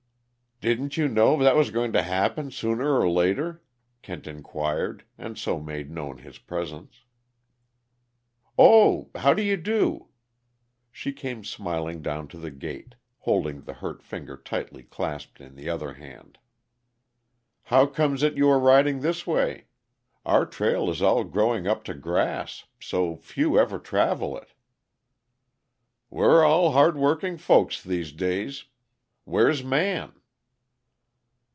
"Didn't you know that was going to happen, sooner or later?" Kent inquired, and so made known his presence. "Oh how do you do?" She came smiling down to the gate, holding the hurt finger tightly clasped in the other hand. "How comes it you are riding this way? Our trail is all growing up to grass, so few ever travel it." "We're all hard working folks these days. Where's Man?"